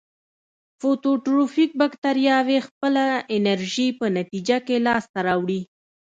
فوتوټروفیک باکتریاوې خپله انرژي په نتیجه کې لاس ته راوړي.